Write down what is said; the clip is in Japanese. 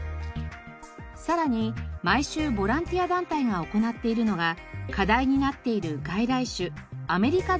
さらに毎週ボランティア団体が行っているのが課題になっている外来種アメリカザリガニの駆除です。